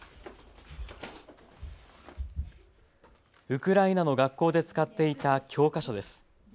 ウクライナの学校で使っていた教科書です。